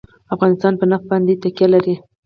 افغانستان په نفت باندې تکیه لري.